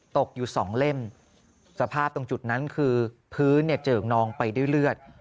ตกอยู่สองเล่มสภาพตรงจุดนั้นคือพื้นเนี่ยเจิกนองไปด้วยเลือด